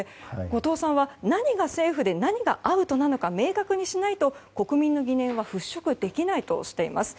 後藤さんは何がセーフで何がアウトなのか明確にしないと国民の疑念は払しょくできないとしています。